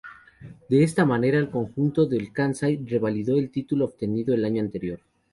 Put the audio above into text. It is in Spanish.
De esta manera, el conjunto del Kansai revalidó el título obtenido el año anterior.